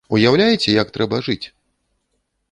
Уяўляеце, як трэба жыць?